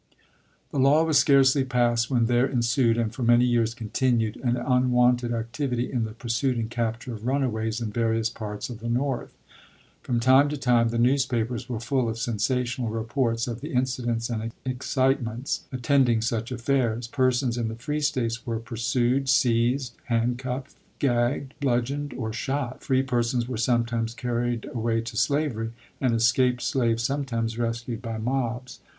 The law was scarcely passed when there ensued, and for many years continued, an unwonted activity in the pursuit and capture of runaways in various parts of the North. From time to time the news papers were full of sensational reports of the inci dents and excitements attending such affairs. Persons in the free States were pursued, seized, handcuffed, gagged, bludgeoned, or shot ; free per sons were sometimes carried away to slavery, and escaped slaves sometimes rescued by mobs.